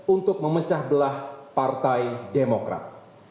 untuk memecah belah partai demokrat